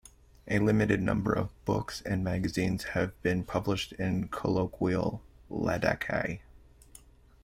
A limited number of books and magazines have been published in colloquial Ladakhi.